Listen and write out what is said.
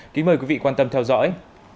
kính mời quý vị quan tâm theo dõi